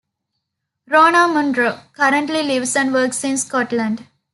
Rona Munro currently lives and works in Scotland.